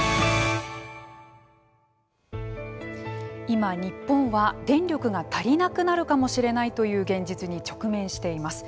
今、日本は、電力が足りなくなるかもしれないという現実に直面しています。